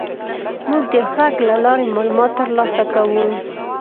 موږ د غږ له لارې معلومات تر لاسه کوو.